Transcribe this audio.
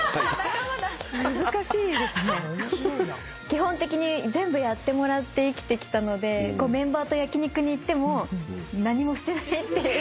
基本的に全部やってもらって生きてきたのでメンバーと焼き肉に行っても何もしないっていう。